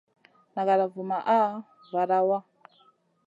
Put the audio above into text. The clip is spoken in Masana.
Nagada vumaʼha vada waʼa.